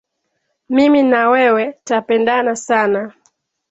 Mimi na wewe 'tapendana sana.